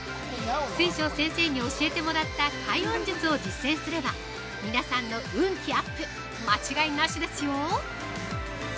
水晶先生に教えてもらった開運術を実践すれば、皆さんの運気アップ間違いなしですよ。